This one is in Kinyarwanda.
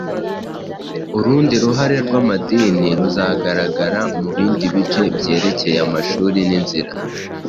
Urundi ruhare rw'amadini ruzagaragara mu bindi bice byerekeye amashuri n'inzira